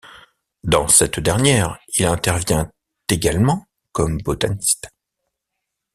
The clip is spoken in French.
Dans cette dernière, il intervient également comme botaniste.